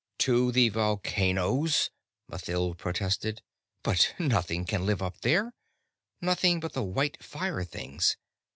"To the volcanoes!" Mathild protested. "But nothing can live up there, nothing but the white fire things.